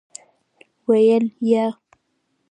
ویل : یا .